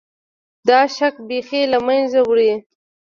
دا شک بیخي له منځه وړي.